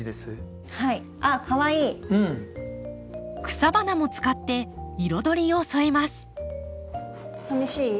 草花も使って彩りを添えます。